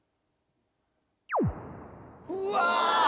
うわ！